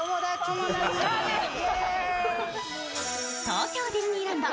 東京ディズニーランド